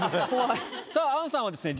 さぁ杏さんはですね